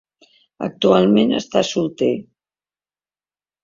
Actualment està solter.